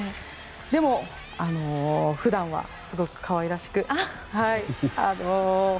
でも、普段はすごく可愛らしく。